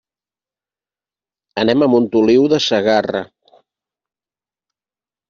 Anem a Montoliu de Segarra.